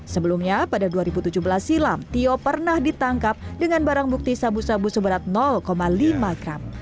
sebelumnya pada dua ribu tujuh belas silam tio pernah ditangkap dengan barang bukti sabu sabu seberat lima gram